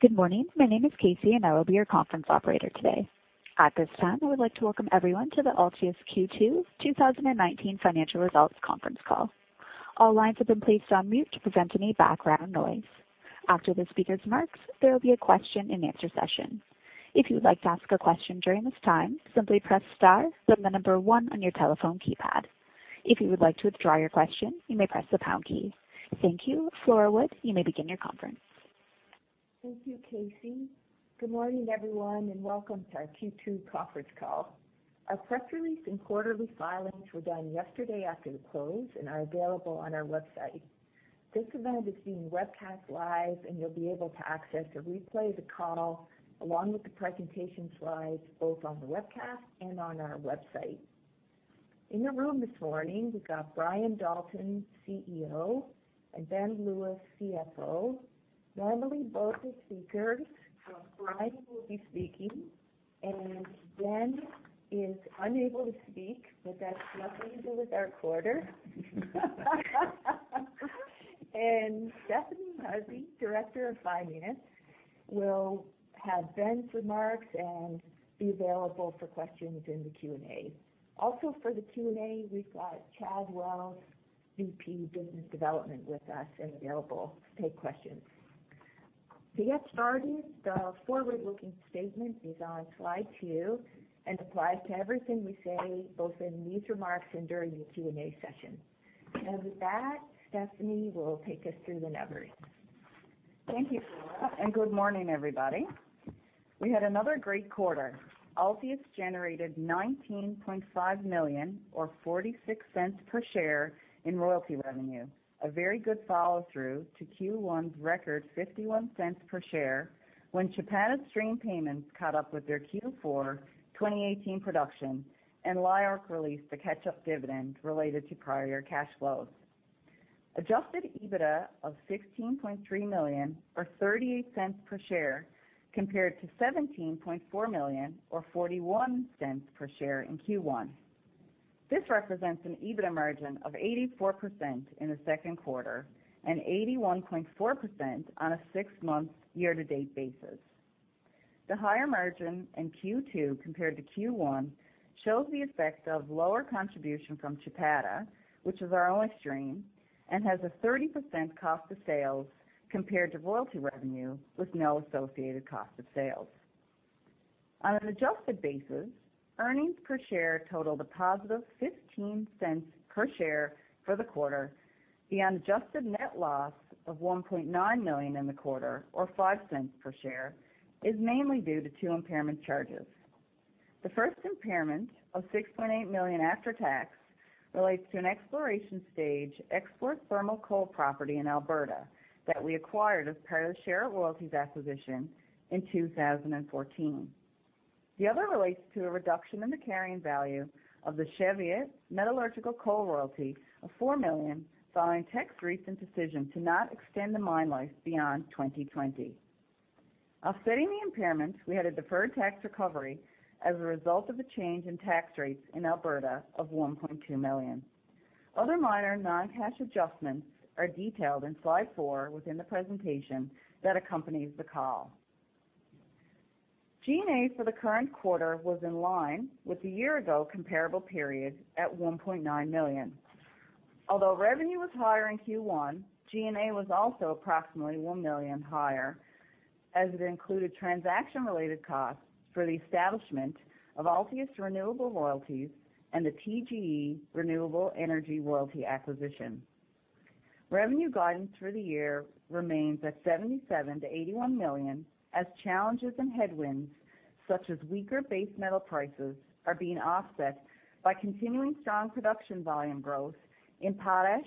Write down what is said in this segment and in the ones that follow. Good morning. My name is Casey, and I will be your conference operator today. At this time, I would like to welcome everyone to the Altius Q2 2019 financial results conference call. All lines have been placed on mute to prevent any background noise. After the speakers' remarks, there will be a question-and-answer session. If you would like to ask a question during this time, simply press star, then number 1 on your telephone keypad. If you would like to withdraw your question, you may press the pound key. Thank you. Flora Wood, you may begin your conference. Thank you, Casey. Good morning, everyone, and welcome to our Q2 conference call. Our press release and quarterly filings were done yesterday after the close and are available on our website. This event is being webcast live, and you'll be able to access a replay of the call along with the presentation slides, both on the webcast and on our website. In the room this morning, we've got Brian Dalton, CEO, and Ben Lewis, CFO. Normally both are speakers. Brian will be speaking, and Ben is unable to speak, but that's nothing to do with our quarter. Stephanie Hussey, Director of Finance, will have Ben's remarks and be available for questions in the Q&A. For the Q&A, we've got Chad Wells, VP Business Development, with us and available to take questions. To get started, the forward-looking statement is on slide two and applies to everything we say, both in these remarks and during the Q&A session. With that, Stephanie will take us through the numbers. Thank you, Flora. Good morning, everybody. We had another great quarter. Altius generated 19.5 million, or 0.46 per share in royalty revenue, a very good follow-through to Q1's record 0.51 per share when Chapada stream payments caught up with their Q4 2018 production and LIORC released a catch-up dividend related to prior year cash flows. adjusted EBITDA of 16.3 million, or 0.38 per share, compared to 17.4 million, or 0.41 per share in Q1. This represents an EBITDA margin of 84% in the second quarter and 81.4% on a six-month year-to-date basis. The higher margin in Q2 compared to Q1 shows the effect of lower contribution from Chapada, which is our only stream and has a 30% cost of sales compared to royalty revenue with no associated cost of sales. On an adjusted basis, earnings per share totaled a positive 0.15 per share for the quarter. The unadjusted net loss of 1.9 million in the quarter, or 0.05 per share, is mainly due to two impairment charges. The first impairment of 6.8 million after tax relates to an exploration stage export thermal coal property in Alberta that we acquired as part of the Sherritt Royalties acquisition in 2014. The other relates to a reduction in the carrying value of the Cheviot metallurgical coal royalty of 4 million following Teck's recent decision to not extend the mine life beyond 2020. Offsetting the impairments, we had a deferred tax recovery as a result of a change in tax rates in Alberta of 1.2 million. Other minor non-cash adjustments are detailed in slide four within the presentation that accompanies the call. G&A for the current quarter was in line with the year-ago comparable period at 1.9 million. Although revenue was higher in Q1, G&A was also approximately 1 million higher as it included transaction-related costs for the establishment of Altius Renewable Royalties and the TGE Renewable Energy Royalties acquisition. Revenue guidance for the year remains at 77 million-81 million, as challenges and headwinds such as weaker base metals prices are being offset by continuing strong production volume growth in potash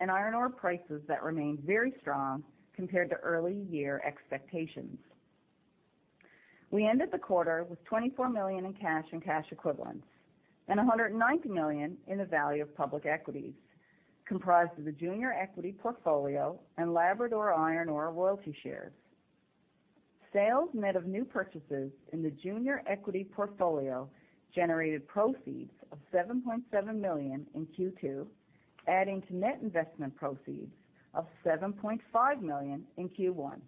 and iron ore prices that remained very strong compared to early year expectations. We ended the quarter with 24 million in cash and cash equivalents and 190 million in the value of public equities, comprised of the junior equity portfolio and Labrador Iron Ore Royalty shares. Sales net of new purchases in the junior equity portfolio generated proceeds of 7.7 million in Q2, adding to net investment proceeds of 7.5 million in Q1.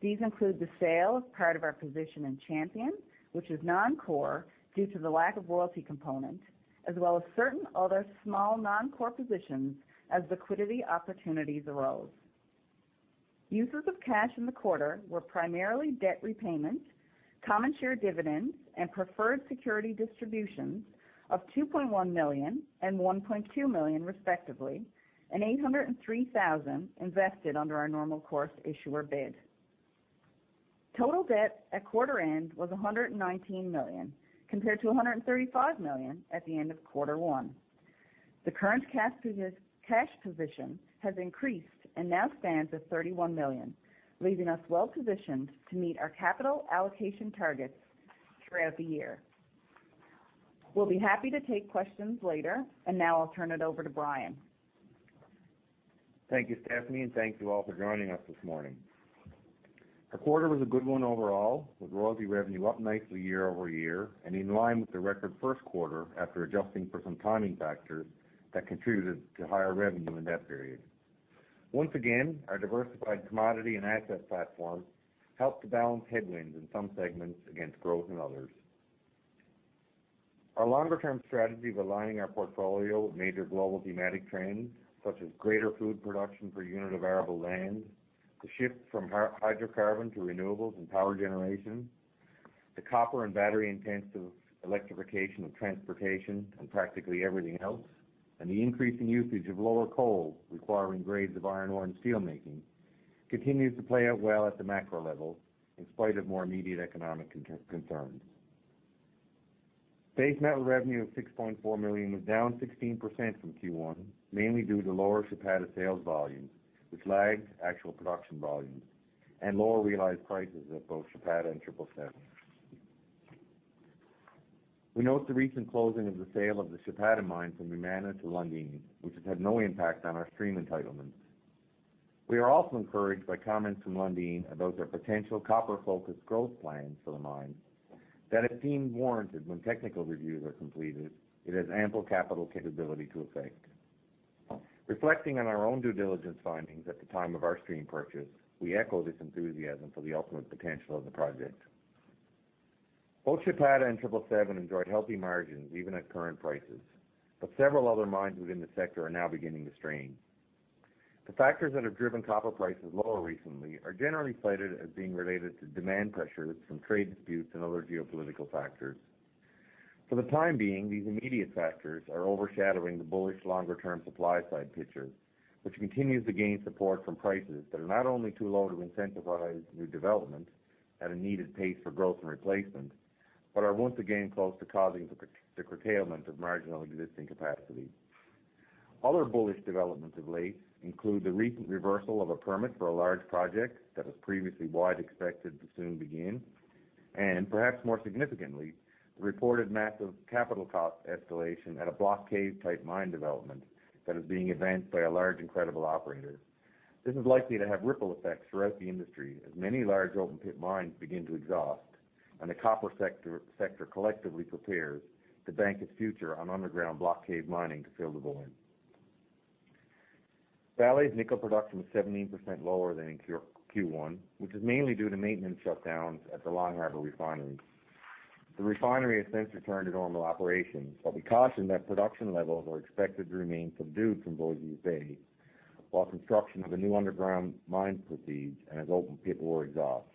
These include the sale of part of our position in Champion, which is non-core due to the lack of royalty component, as well as certain other small non-core positions as liquidity opportunities arose. Uses of cash in the quarter were primarily debt repayment, common share dividends, and preferred security distributions of 2.1 million and 1.2 million, respectively, and 803,000 invested under our normal course issuer bid. Total debt at quarter end was 119 million, compared to 135 million at the end of quarter one. The current cash position has increased and now stands at 31 million, leaving us well positioned to meet our capital allocation targets throughout the year. We'll be happy to take questions later. Now I'll turn it over to Brian. Thank you, Stephanie, and thank you all for joining us this morning. The quarter was a good one overall, with royalty revenue up nicely year-over-year and in line with the record first quarter after adjusting for some timing factors that contributed to higher revenue in that period. Once again, our diversified commodity and asset platform helped to balance headwinds in some segments against growth in others. Our longer-term strategy of aligning our portfolio with major global thematic trends such as greater food production per unit of arable land, the shift from hydrocarbon to renewables and power generation, the copper and battery intensive electrification of transportation and practically everything else, and the increasing usage of lower coal-requiring grades of iron ore and steelmaking, continues to play out well at the macro level in spite of more immediate economic concerns. Base metal revenue of 6.4 million was down 16% from Q1, mainly due to lower Chapada sales volume, which lagged actual production volumes and lower realized prices at both Chapada and 777 mine. We note the recent closing of the sale of the Chapada mine from Yamana to Lundin, which has had no impact on our stream entitlements. We are also encouraged by comments from Lundin about their potential copper focused growth plans for the mine that it deemed warranted when technical reviews are completed, it has ample capital capability to effect. Reflecting on our own due diligence findings at the time of our stream purchase, we echo this enthusiasm for the ultimate potential of the project. Both Chapada and Triple Seven enjoyed healthy margins even at current prices, but several other mines within the sector are now beginning to strain. The factors that have driven copper prices lower recently are generally cited as being related to demand pressures from trade disputes and other geopolitical factors. For the time being, these immediate factors are overshadowing the bullish longer-term supply side picture, which continues to gain support from prices that are not only too low to incentivize new development at a needed pace for growth and replacement, but are once again close to causing the curtailment of marginal existing capacity. Other bullish developments of late include the recent reversal of a permit for a large project that was previously widely expected to soon begin, and perhaps more significantly, the reported massive capital cost escalation at a block cave type mine development that is being advanced by a large and credible operator. This is likely to have ripple effects throughout the industry as many large open pit mines begin to exhaust and the copper sector collectively prepares to bank its future on underground block cave mining to fill the void. Vale's nickel production was 17% lower than in Q1, which is mainly due to maintenance shutdowns at the Long Harbour refinery. The refinery has since returned to normal operations, but we caution that production levels are expected to remain subdued from what we see today while construction of a new underground mine proceeds and as open pit ore exhausts.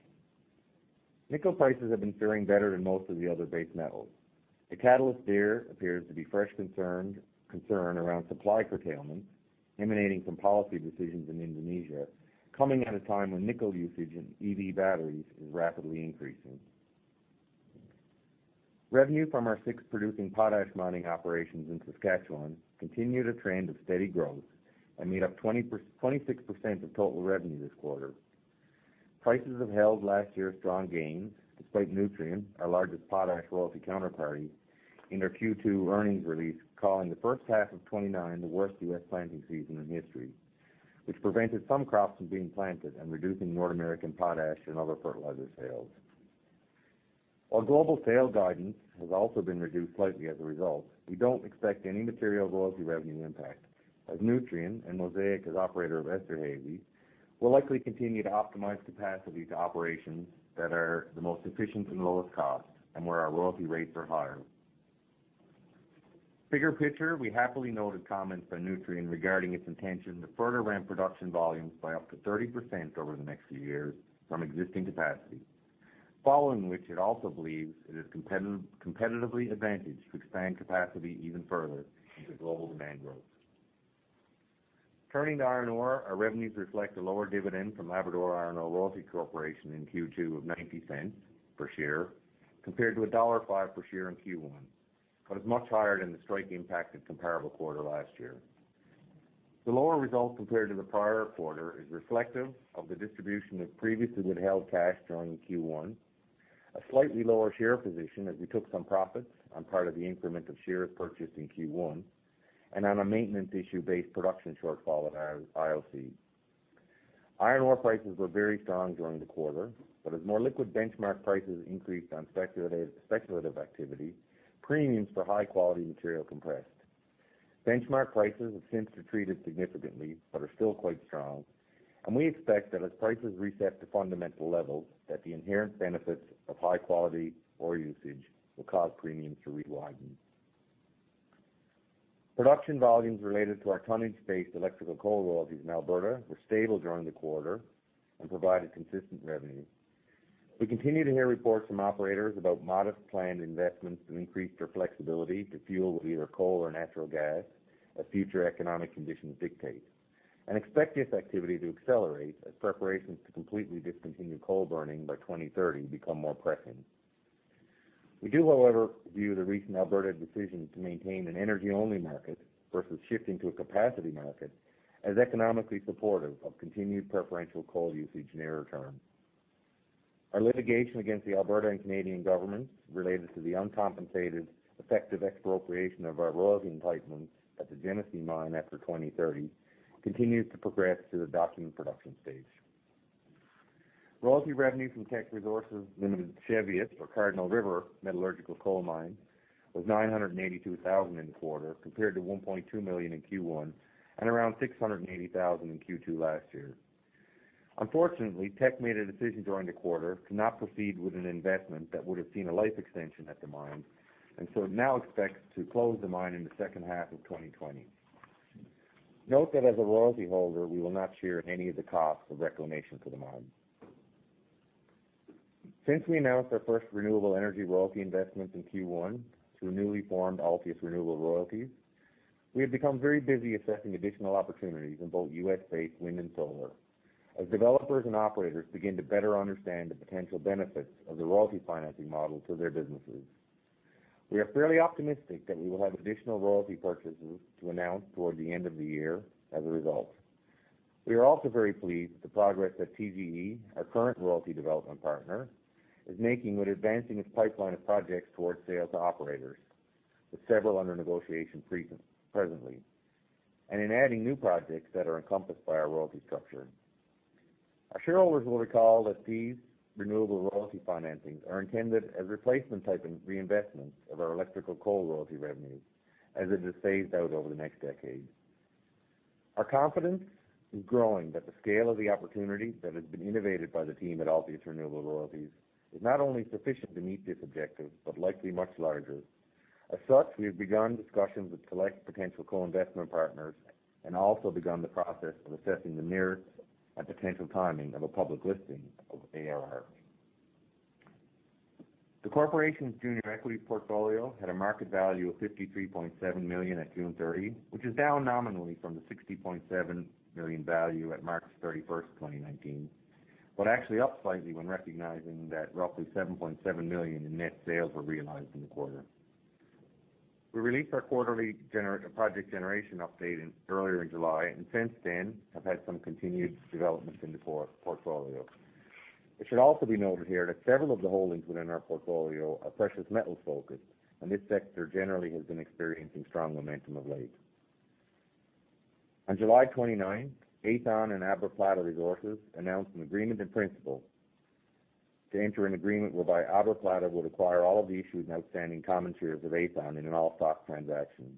Nickel prices have been faring better than most of the other base metals. The catalyst there appears to be fresh concern around supply curtailment emanating from policy decisions in Indonesia, coming at a time when nickel usage in EV batteries is rapidly increasing. Revenue from our six producing potash mining operations in Saskatchewan continued a trend of steady growth and made up 26% of total revenue this quarter. Prices have held last year's strong gains despite Nutrien, our largest potash royalty counterparty, in their Q2 earnings release, calling the first half of 2019 the worst U.S. planting season in history, which prevented some crops from being planted and reducing North American potash and other fertilizer sales. Global sale guidance has also been reduced slightly as a result, we don't expect any material royalty revenue impact as Nutrien and Mosaic, as operator of Esterhazy, will likely continue to optimize capacity to operations that are the most efficient and lowest cost and where our royalty rates are higher. Bigger picture, we happily noted comments by Nutrien regarding its intention to further ramp production volumes by up to 30% over the next few years from existing capacity, following which it also believes it is competitively advantaged to expand capacity even further into global demand growth. Turning to iron ore, our revenues reflect a lower dividend from Labrador Iron Ore Royalty Corporation in Q2 of 0.90 per share, compared to dollar 1.05 per share in Q1, but is much higher than the strike impacted comparable quarter last year. The lower result compared to the prior quarter is reflective of the distribution of previously withheld cash during Q1, a slightly lower share position as we took some profits on part of the increment of shares purchased in Q1, and on a maintenance issue based production shortfall at IOC. Iron ore prices were very strong during the quarter, but as more liquid benchmark prices increased on speculative activity, premiums for high quality material compressed. Benchmark prices have since retreated significantly but are still quite strong, and we expect that as prices reset to fundamental levels, that the inherent benefits of high quality ore usage will cause premiums to re-widen. Production volumes related to our tonnage-based electrical coal royalties in Alberta were stable during the quarter and provided consistent revenue. We continue to hear reports from operators about modest planned investments to increase their flexibility to fuel with either coal or natural gas as future economic conditions dictate, and expect this activity to accelerate as preparations to completely discontinue coal burning by 2030 become more pressing. We do, however, view the recent Alberta decision to maintain an energy-only market versus shifting to a capacity market as economically supportive of continued preferential coal usage nearer term. Our litigation against the Alberta and Canadian governments related to the uncompensated effective expropriation of our royalty entitlements at the Genesee Mine after 2030 continues to progress to the document production stage. Royalty revenue from Teck Resources Limited's Cheviot or Cardinal River Metallurgical Coal Mine was 982,000 in the quarter compared to 1.2 million in Q1 and around 680,000 in Q2 last year. Unfortunately, Teck made a decision during the quarter to not proceed with an investment that would have seen a life extension at the mine and so now expects to close the mine in the second half of 2020. Note that as a royalty holder, we will not share in any of the costs of reclamation for the mine. Since we announced our first renewable energy royalty investment in Q1 through a newly formed Altius Renewable Royalties, we have become very busy assessing additional opportunities in both U.S.-based wind and solar as developers and operators begin to better understand the potential benefits of the royalty financing model to their businesses. We are fairly optimistic that we will have additional royalty purchases to announce toward the end of the year as a result. We are also very pleased with the progress that TGE, our current royalty development partner, is making with advancing its pipeline of projects towards sale to operators with several under negotiation presently, and in adding new projects that are encompassed by our royalty structure. Our shareholders will recall that these renewable royalty financings are intended as replacement type reinvestments of our electrical coal royalty revenue as it is phased out over the next decade. Our confidence is growing that the scale of the opportunity that has been innovated by the team at Altius Renewable Royalties is not only sufficient to meet this objective, but likely much larger. As such, we have begun discussions with select potential co-investment partners and also begun the process of assessing the merits and potential timing of a public listing of ARR. The corporation's junior equity portfolio had a market value of 53.7 million at June 30, which is down nominally from the 60.7 million value at March 31st, 2019, but actually up slightly when recognizing that roughly 7.7 million in net sales were realized in the quarter. We released our quarterly project generation update earlier in July and since then have had some continued development in the portfolio. It should also be noted here that several of the holdings within our portfolio are precious metal focused, and this sector generally has been experiencing strong momentum of late. On July 29th, Aethon and AbraPlata Resource Corp. announced an agreement in principle to enter an agreement whereby AbraPlata would acquire all of the issued and outstanding common shares of Aethon in an all-stock transaction.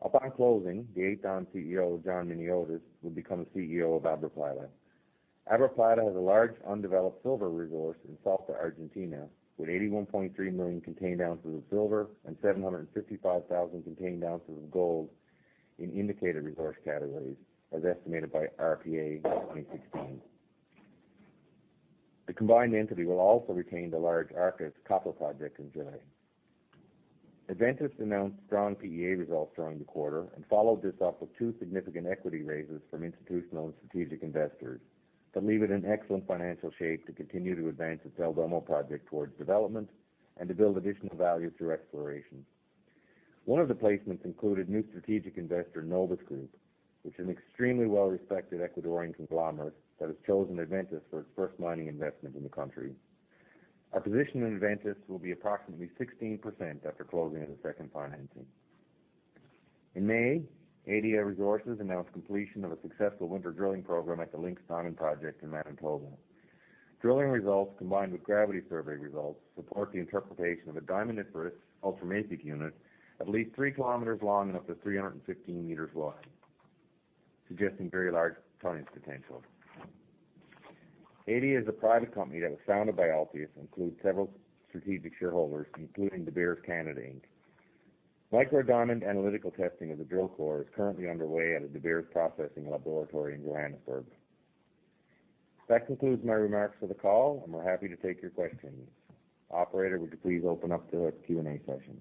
Upon closing, the Aethon CEO, John Miniotis, will become the CEO of AbraPlata. AbraPlata has a large undeveloped silver resource in Salta, Argentina, with 81.3 million contained ounces of silver and 755,000 contained ounces of gold in indicated resource categories as estimated by RPA in 2016. The combined entity will also retain the large Arcas copper project in Chile. Adventus announced strong PEA results during the quarter and followed this up with two significant equity raises from institutional and strategic investors that leave it in excellent financial shape to continue to advance its El Domo project towards development and to build additional value through exploration. One of the placements included new strategic investor Nobis Group, which is an extremely well-respected Ecuadorian conglomerate that has chosen Adventus for its first mining investment in the country. Our position in Adventus will be approximately 16% after closing of the second financing. In May, Adia Resources announced completion of a successful winter drilling program at the Lynx Diamond Project in Manitoba. Drilling results, combined with gravity survey results, support the interpretation of a diamondiferous ultramafic unit at least 3 kilometers long and up to 315 meters wide, suggesting very large tonnages potential. Adia is a private company that was founded by Altius and includes several strategic shareholders, including De Beers Canada Inc. Micro diamond analytical testing of the drill core is currently underway at a De Beers processing laboratory in Johannesburg. That concludes my remarks for the call, and we're happy to take your questions. Operator, would you please open up the Q&A session?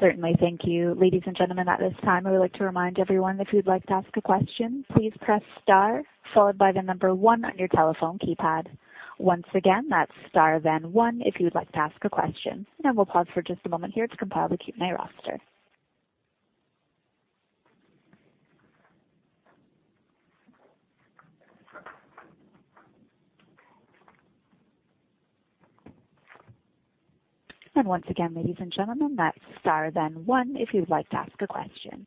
Certainly. Thank you. Ladies and gentlemen, at this time, I would like to remind everyone, if you'd like to ask a question, please press star followed by the number one on your telephone keypad. Once again, that's star then one if you would like to ask a question. We'll pause for just a moment here to compile the Q&A roster. Once again, ladies and gentlemen, that's star then one if you'd like to ask a question.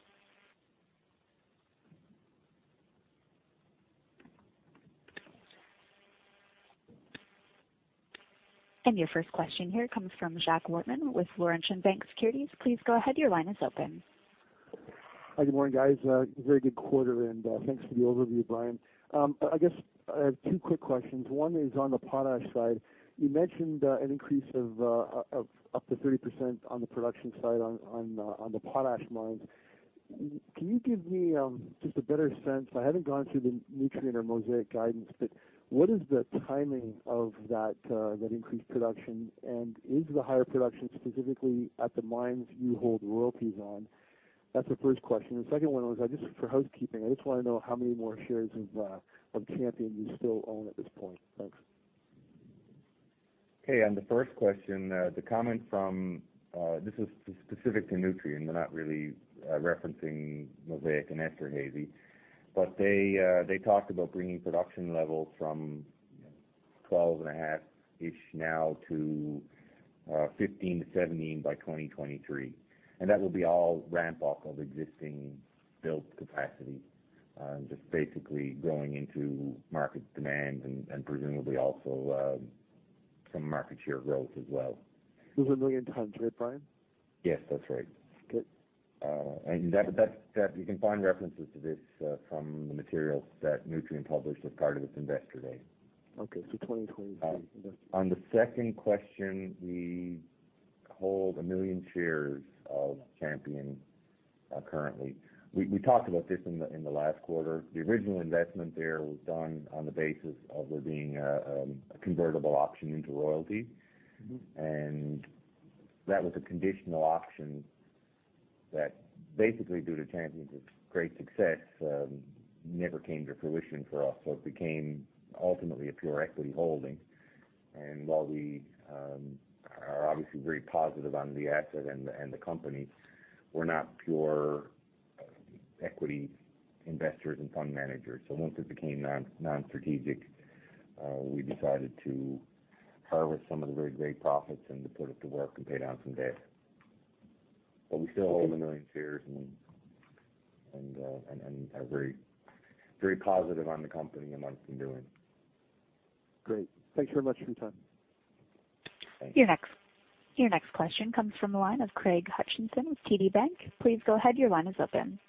Your first question here comes from Jacques Wortman with Laurentian Bank Securities. Please go ahead. Your line is open. Good morning, guys. A very good quarter and thanks for the overview, Brian. I guess I have two quick questions. One is on the potash side. You mentioned an increase of up to 30% on the production side on the potash mines. Can you give me just a better sense? I haven't gone through the Nutrien or Mosaic guidance. What is the timing of that increased production, and is the higher production specifically at the mines you hold royalties on? That's the first question. The second one was just for housekeeping. I just want to know how many more shares of Champion you still own at this point. Thanks. Okay, on the first question, the comment from. This is specific to Nutrien. They're not really referencing Mosaic and Esterhazy. They talked about bringing production levels from 12.5-ish now to 15-17 by 2023. That will be all ramp up of existing built capacity, just basically going into market demand and presumably also some market share growth as well. It was 1 million tons, right, Brian? Yes, that's right. Good. You can find references to this from the materials that Nutrien published as part of its investor day. Okay, 2023. On the second question, we hold 1 million shares of Champion currently. We talked about this in the last quarter. The original investment there was done on the basis of there being a convertible option into royalty. That was a conditional option that basically, due to Champion's great success, never came to fruition for us. It became ultimately a pure equity holding. While we are obviously very positive on the asset and the company, we're not pure equity investors and fund managers. Once it became non-strategic, we decided to harvest some of the very great profits and to put it to work and pay down some debt. We still hold 1 million shares and are very positive on the company and what it's been doing. Great. Thanks very much for your time. Thanks. Your next question comes from the line of Craig Hutchison with TD Bank. Please go ahead. Your line is open.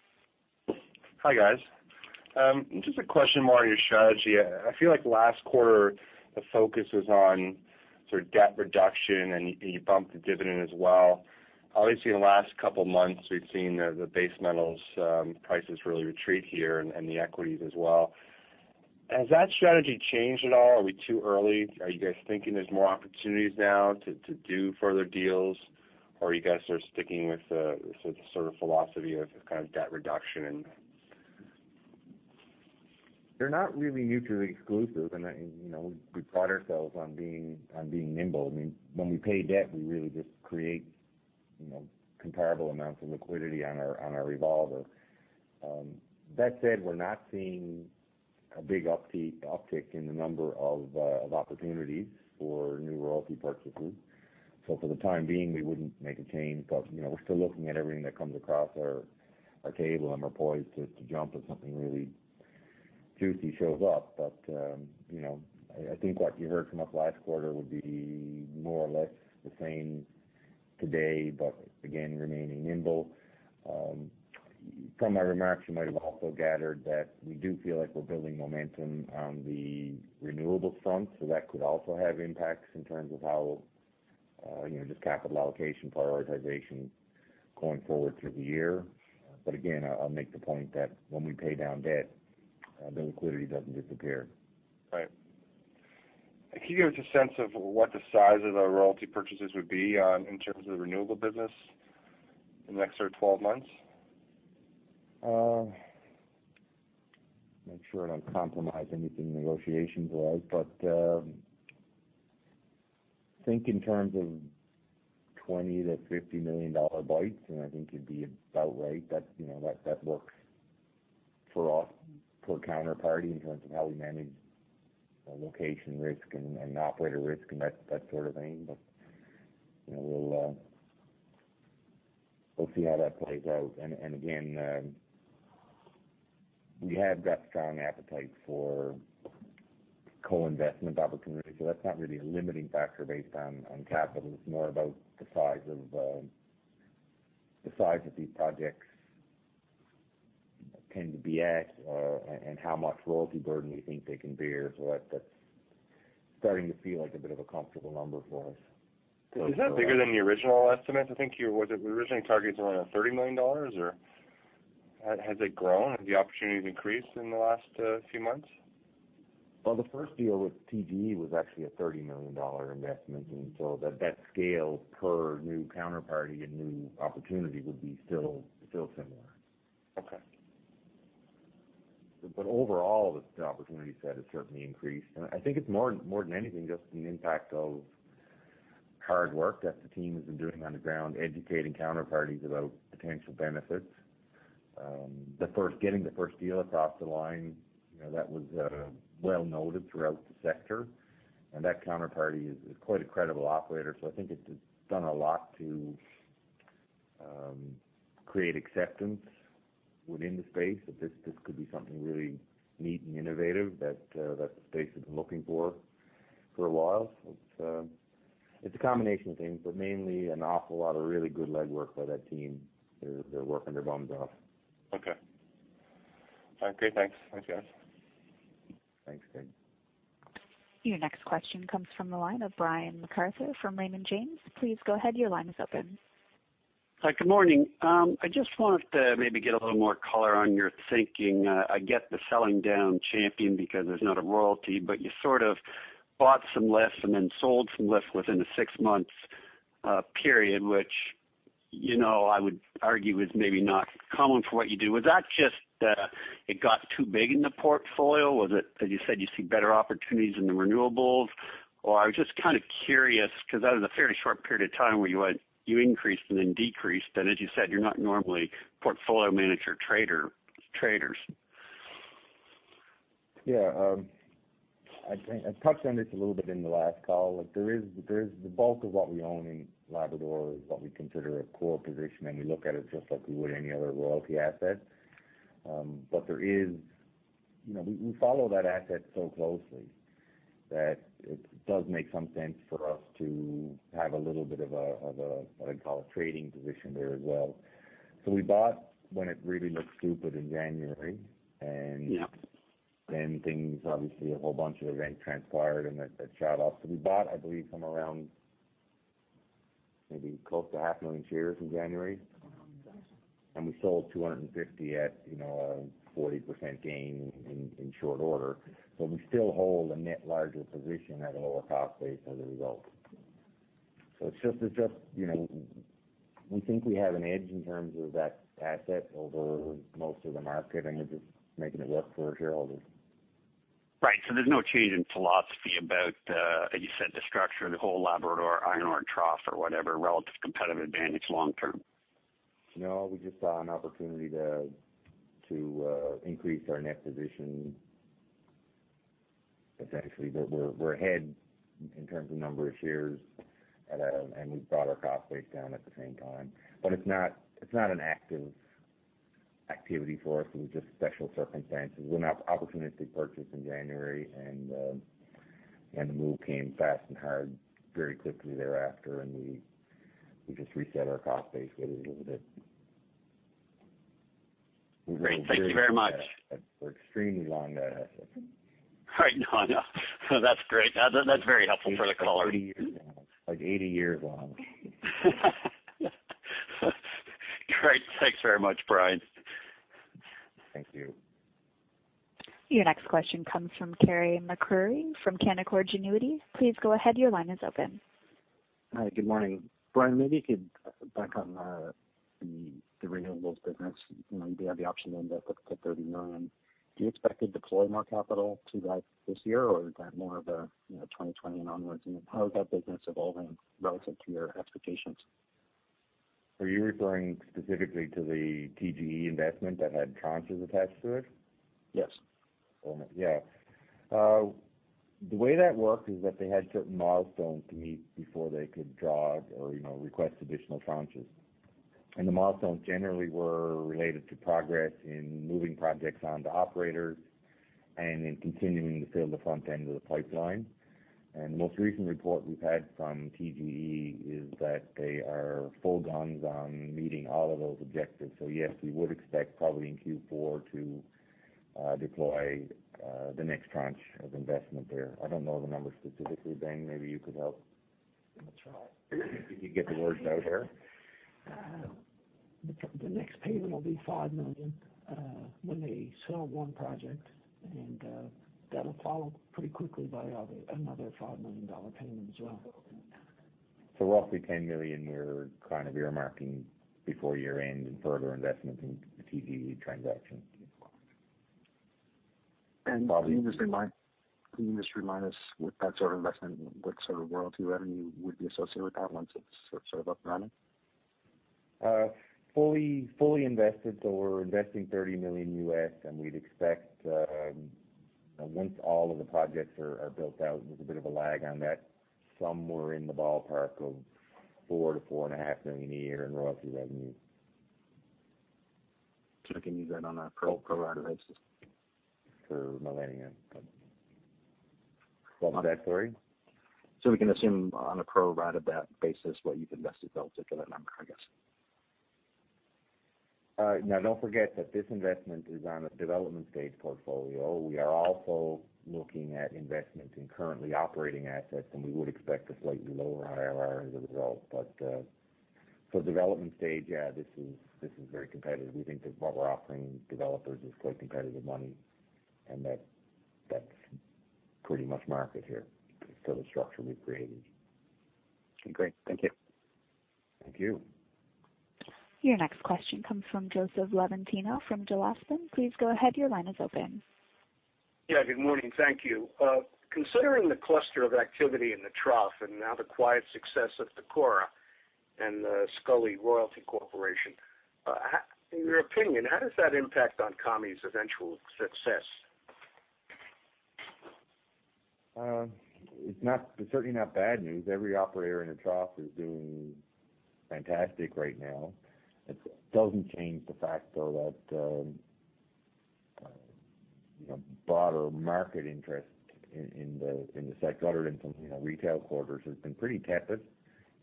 Hi, guys. Just a question more on your strategy. I feel like last quarter the focus was on sort of debt reduction, and you bumped the dividend as well. Obviously, in the last couple of months, we've seen the base metals prices really retreat here and the equities as well. Has that strategy changed at all? Are we too early? Are you guys thinking there's more opportunities now to do further deals, or are you guys sort of sticking with the sort of philosophy of kind of debt reduction and? They're not really mutually exclusive. We pride ourselves on being nimble. When we pay debt, we really just create comparable amounts of liquidity on our revolver. That said, we're not seeing a big uptick in the number of opportunities for new royalty purchases. For the time being, we wouldn't make a change. We're still looking at everything that comes across our table and we're poised to jump if something really juicy shows up. I think what you heard from us last quarter would be more or less the same today, but again, remaining nimble. From my remarks, you might have also gathered that we do feel like we're building momentum on the renewables front, so that could also have impacts in terms of just capital allocation prioritization going forward through the year. Again, I'll make the point that when we pay down debt, the liquidity doesn't disappear. Right. Can you give us a sense of what the size of the royalty purchases would be in terms of the renewable business in the next sort of 12 months? Make sure I don't compromise anything negotiations-wise, but think in terms of 20 million-50 million dollar bites, and I think you'd be about right. That works for us per counterparty in terms of how we manage location risk and operator risk and that sort of thing. We'll see how that plays out. Again, we have got strong appetite for co-investment opportunities, so that's not really a limiting factor based on capital. It's more about the size of these projects tend to be at and how much royalty burden we think they can bear. That's starting to feel like a bit of a comfortable number for us. Is that bigger than the original estimate? I think your original target's around 30 million dollars, or has it grown? Have the opportunities increased in the last few months? Well, the first deal with TGE was actually a $30 million investment. That scale per new counterparty and new opportunity would be still similar. Okay. Overall, the opportunity set has certainly increased, and I think it's more than anything, just an impact of hard work that the team has been doing on the ground, educating counterparties about potential benefits. Getting the first deal across the line, that was well noted throughout the sector, and that counterparty is quite a credible operator. I think it's done a lot to create acceptance within the space, that this could be something really neat and innovative that the space has been looking for a while. It's a combination of things, but mainly an awful lot of really good legwork by that team. They're working their bums off. Okay. All right, great, thanks. Thanks, guys. Thanks, Craig. Your next question comes from the line of Brian MacArthur from Raymond James. Please go ahead. Your line is open. Hi, good morning. I just wanted to maybe get a little more color on your thinking. I get the selling down Champion because there's not a royalty. You sort of bought some lifts and then sold some lifts within a six-month period, which I would argue is maybe not common for what you do. Was that just it got too big in the portfolio? Was it that you said you see better opportunities in the renewables? I was just kind of curious because that is a fairly short period of time where you increased and then decreased. As you said, you're not normally portfolio manager traders. Yeah. I touched on this a little bit in the last call. The bulk of what we own in Labrador is what we consider a core position, and we look at it just like we would any other royalty asset. We follow that asset so closely that it does make some sense for us to have a little bit of a, what I'd call a trading position there as well. We bought when it really looked stupid in January. Yeah. Obviously a whole bunch of events transpired, and that shot up. We bought, I believe, somewhere around maybe close to 500,000 shares in January. Around there. We sold 250 at a 40% gain in short order. We still hold a net larger position at a lower cost base as a result. We think we have an edge in terms of that asset over most of the market, and we're just making it work for our shareholders. Right. There's no change in philosophy about, as you said, the structure of the whole Labrador iron ore trough or whatever relative competitive advantage long term. We just saw an opportunity to increase our net position. Essentially, we're ahead in terms of number of shares, and we've brought our cost base down at the same time. It's not an active activity for us. It was just special circumstances. We now opportunity purchased in January, and the move came fast and hard very quickly thereafter, and we just reset our cost base with it a little bit. Great. Thank you very much. We're extremely long that asset. Right. No, I know. That's great. That's very helpful for the caller. Like 80 years now. Like 80 years long. Great. Thanks very much, Brian. Thank you. Your next question comes from Carey MacRury from Canaccord Genuity. Please go ahead, your line is open. Hi, good morning. Brian, maybe you could circle back on the renewables business. You have the option to invest up to 39. Do you expect to deploy more capital to that this year, or is that more of a 2020 and onwards? How is that business evolving relative to your expectations? Are you referring specifically to the TGE investment that had tranches attached to it? Yes. All right. Yeah. The way that worked is that they had certain milestones to meet before they could draw or request additional tranches. The milestones generally were related to progress in moving projects onto operators and in continuing to fill the front end of the pipeline. The most recent report we've had from TGE is that they are full guns on meeting all of those objectives. Yes, we would expect probably in Q4 to deploy the next tranche of investment there. I don't know the numbers specifically. Ben, maybe you could help. Let me try. If you could get the words out here. The next payment will be 5 million when they sell one project, and that'll follow pretty quickly by another 5 million dollar payment as well. Roughly 10 million we're earmarking before year-end in further investment in the TGE transaction. Yes. Can you just remind us what that sort of investment, what sort of royalty revenue would be associated with that once it's up and running? Fully invested, so we're investing $30 million US, and we'd expect once all of the projects are built out, there's a bit of a lag on that, somewhere in the ballpark of 4 million-4.5 million a year in royalty revenue. We can use that on a pro rata basis? For Millennium. Is that what you're asking, Carey? We can assume on a pro rata basis what you’ve invested, the particular number, I guess. Don't forget that this investment is on a development stage portfolio. We are also looking at investment in currently operating assets, and we would expect a slightly lower IRR as a result. For development stage, yeah, this is very competitive. We think that what we're offering developers is quite competitive money, and that's pretty much market here for the structure we've created. Great. Thank you. Thank you. Your next question comes from Joseph Levantino from Jalaspen. Please go ahead. Your line is open. Yeah, good morning. Thank you. Considering the cluster of activity in the trough and now the quiet success of Tacora and the Scully Royalty Corporation, in your opinion, how does that impact on Kami's eventual success? It's certainly not bad news. Every operator in the trough is doing fantastic right now. It doesn't change the fact, though, that broader market interest in the sector other than some retail quarters has been pretty tepid,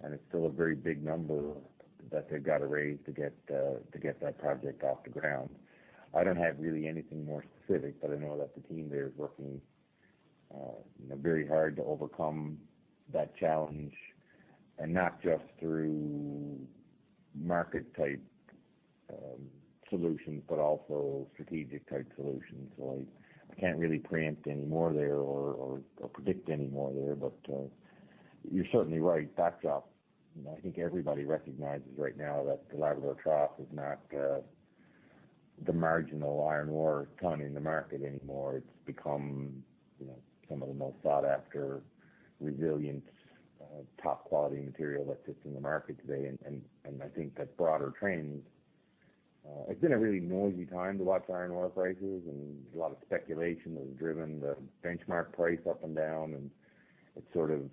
and it's still a very big number that they've got to raise to get that project off the ground. I don't have really anything more specific, but I know that the team there is working very hard to overcome that challenge, and not just through market-type solutions but also strategic-type solutions. I can't really preempt any more there or predict any more there. You're certainly right. That said, I think everybody recognizes right now that the Labrador Trough is not the marginal iron ore ton in the market anymore. It's become some of the most sought-after resilient, top-quality material that sits in the market today. I think that broader trend, it's been a really noisy time to watch iron ore prices, and a lot of speculation has driven the benchmark price up and down, and it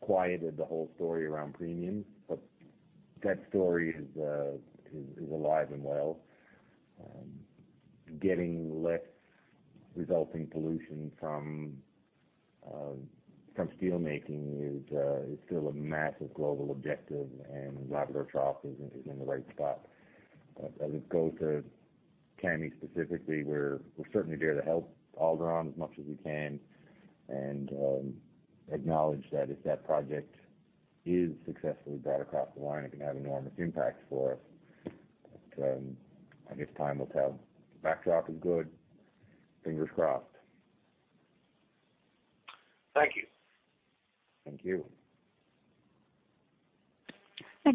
quieted the whole story around premiums, but that story is alive and well. Getting less resulting pollution from steelmaking is still a massive global objective, and Labrador Trough is in the right spot. As it goes to Kami specifically, we're certainly there to help Alderon as much as we can and acknowledge that if that project is successfully brought across the line, it can have enormous impacts for us. I guess time will tell. Backdrop is good. Fingers crossed. Thank you. Thank you.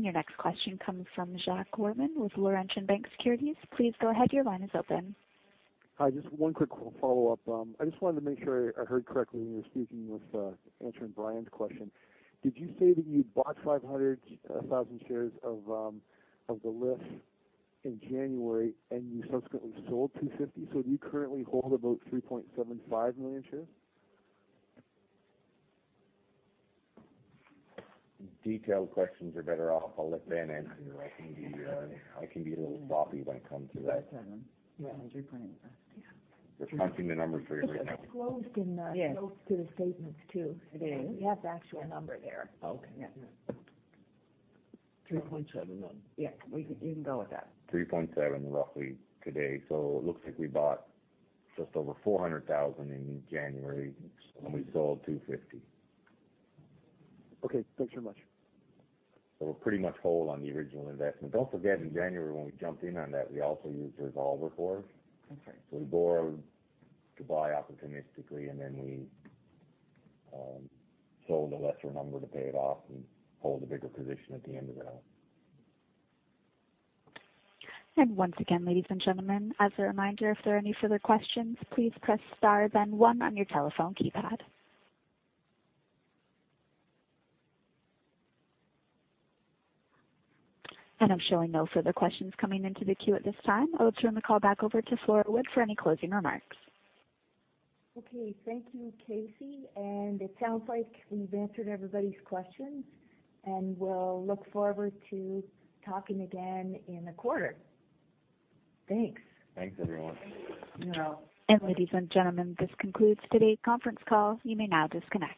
Your next question comes from Jacques Wortman with Laurentian Bank Securities. Please go ahead. Your line is open. Hi. Just one quick follow-up. I just wanted to make sure I heard correctly when you were speaking with answering Brian's question. Did you say that you bought 500,000 shares of Altius in January and you subsequently sold 250? Do you currently hold about 3.75 million shares? Detailed questions are better off. I'll let Ben answer. I can be a little sloppy when it comes to that. 3.7. Yeah. We're crunching the numbers for you right now. It's disclosed. Yes notes to the statements too. It is? We have the actual number there. Okay. Yeah. Three point seven one. Yeah. You can go with that. 3.7 roughly today. It looks like we bought just over 400,000 in January, and we sold 250. Okay. Thanks very much. We're pretty much whole on the original investment. Don't forget, in January, when we jumped in on that, we also used Revolver for it. That's right. We borrowed to buy opportunistically, and then we sold a lesser number to pay it off and hold a bigger position at the end of it all. Once again, ladies and gentlemen, as a reminder, if there are any further questions, please press star then one on your telephone keypad. I'm showing no further questions coming into the queue at this time. I'll turn the call back over to Flora Wood for any closing remarks. Okay. Thank you, Casey. It sounds like we've answered everybody's questions, and we'll look forward to talking again in a quarter. Thanks. Thanks, everyone. Thank you. Ladies and gentlemen, this concludes today's conference call. You may now disconnect.